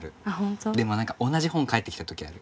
でも何か同じ本返ってきた時ある。